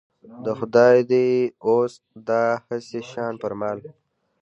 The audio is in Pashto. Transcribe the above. د خدای دی اوس دا هسي شان فرمان.